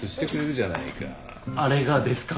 あれがですか？